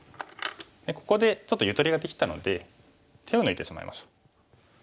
ここでちょっとゆとりができたので手を抜いてしまいましょう。